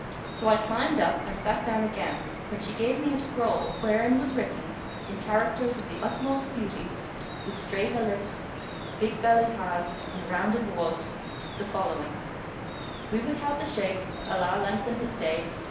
So I climbed up and sat down again when she gave me a scroll, wherein was written, in characters of the utmost beauty, with straight Alifs,[FN#116] big bellied Hás and rounded Waws, the following:—We would have the Shaykh (Allah lengthen his days!)